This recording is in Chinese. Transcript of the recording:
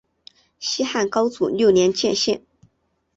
西汉高祖六年建县。